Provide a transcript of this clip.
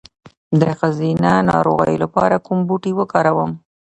د ښځینه ناروغیو لپاره کوم بوټی وکاروم؟